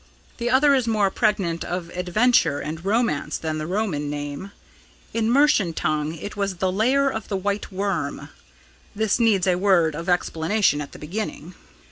The other is more pregnant of adventure and romance than the Roman name. In Mercian tongue it was 'The Lair of the White Worm.' This needs a word of explanation at the beginning.